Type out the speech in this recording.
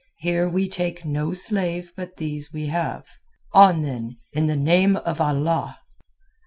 Here we take no slave but these we have. On, then, in the name of Allah!"